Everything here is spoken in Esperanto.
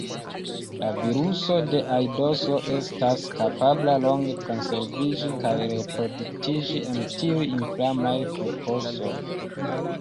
La viruso de aidoso estas kapabla longe konserviĝi kaj reproduktiĝi en tiuj inflamaj fokusoj.